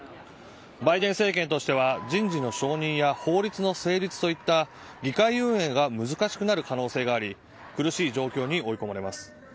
バイデン政権としては人事の承認や法律の成立といった議会運営が難しくなる可能性があり苦しい状況に追い込まれます。